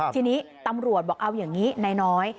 ทีนี้ตำรวจบอกเอาอย่างนี้นายน้อย